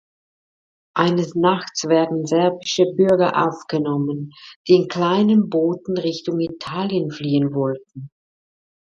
Eines Nachts werden serbische Bürger aufgenommen, die in kleinen Booten Richtung Italien fliehen wollten.